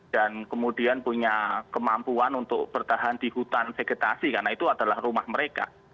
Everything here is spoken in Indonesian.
dan kemudian punya kemampuan untuk bertahan di hutan vegetasi karena itu adalah rumah mereka